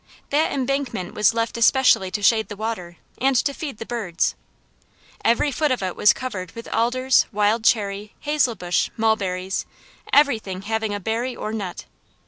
That embankment was left especially to shade the water, and to feed the birds. Every foot of it was covered with alders, wild cherry, hazelbush, mulberries, everything having a berry or nut.